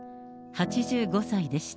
８５歳でした。